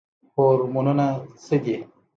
هورمونونه څه دي؟